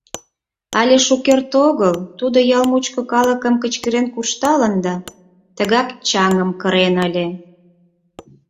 Але шукерте огыл тудо ял мучко калыкым кычкырен куржталын да тыгак чаҥым кырен ыле.